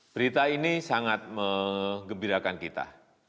berita ini sangat mengembirakan kita